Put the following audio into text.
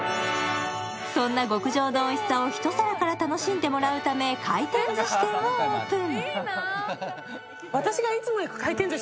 そんな極上のおいしさを１皿から楽しんでもらうため、回転ずし店をオープン。